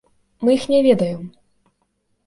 Мы іх не ведаем.